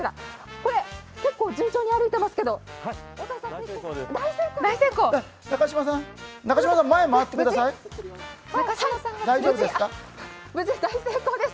これ、順調に歩いていますけど大成功です。